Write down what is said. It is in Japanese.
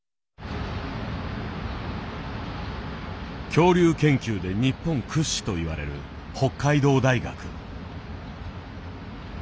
恐竜研究で日本屈指と言われる北海道大学。